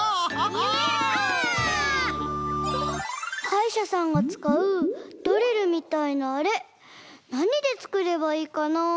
イエイ！はいしゃさんがつかうドリルみたいなあれなにでつくればいいかなあ？